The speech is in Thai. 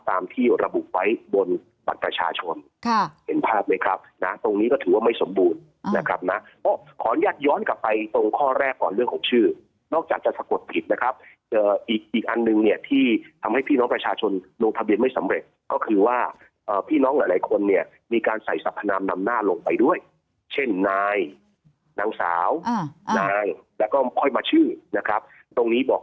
บัตรประชาชนค่ะเห็นภาพไหมครับน่ะตรงนี้ก็ถือว่าไม่สมบูรณ์นะครับน่ะอ้อขออนุญาตย้อนกลับไปตรงข้อแรกก่อนเรื่องของชื่อนอกจากจะสะกดผิดนะครับอีกอันหนึ่งเนี่ยที่ทำให้พี่น้องประชาชนลงทะเบียนไม่สำเร็จก็คือว่าพี่น้องหลายหลายคนเนี่ยมีการใส่สัพพนามดำหน้าลงไปด้วยเช่นนายนางส